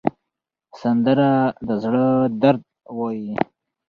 سندره د زړه درد وایي